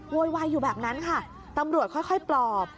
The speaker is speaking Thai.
โวยวายอยู่แบบนั้นค่ะตำรวจค่อยปลอบ